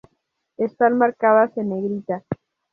Están marcadas en negrita.